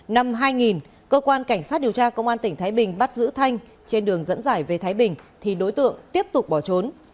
năm hai nghìn cơ quan cảnh sát điều tra công an tỉnh thái bình bắt giữ thanh trên đường dẫn giải về thái bình thì đối tượng tiếp tục bỏ trốn